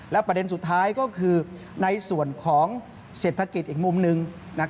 และประเด็นสุดท้ายก็คือในส่วนของเศรษฐกิจอีกมุมหนึ่ง